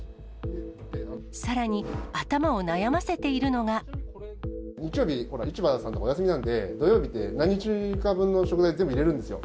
さらに、日曜日、市場さんとかお休みなんで、土曜日って、何日か分の食材、全部入れるんですよ。